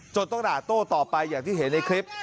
ต้องด่าโต้ต่อไปอย่างที่เห็นในคลิป